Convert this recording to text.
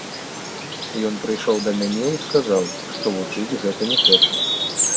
Ён прыйшоў ды мяне і сказаў, што вучыць гэта не хоча.